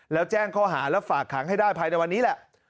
แล้วแจ้งข้อหาและฝากขังให้ได้ภายในวันนี้แหละ